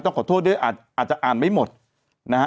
ขอโทษด้วยอาจจะอ่านไม่หมดนะฮะ